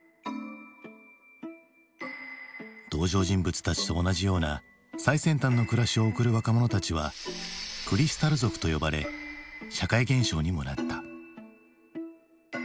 登場人物たちと同じような最先端の暮らしを送る若者たちはクリスタル族と呼ばれ社会現象にもなった。